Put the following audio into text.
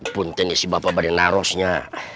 buntin ya si bapak badan arusnya